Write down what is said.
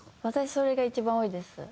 私それが一番多いです。